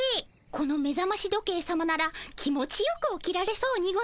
このめざまし時計さまなら気持ちよく起きられそうにございます。